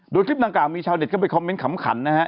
โดยคลิปต่ำกลางมีชาวเน็ตก็ไปคอมเม้นต์ขำขันนะฮะ